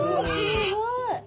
すごい！